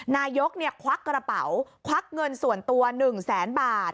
นายกควักกระเป๋าควักเงินส่วนตัว๑แสนบาท